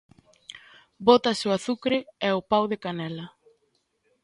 Bótase o azucre e o pau de canela.